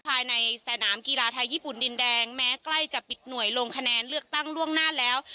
ภายในสนามกีฬาไทยญี่ปุ่นดินแดงแม้ใกล้จะปิดหน่วยลงคะแนนเลือกตั้งล่วงหน้าแล้ว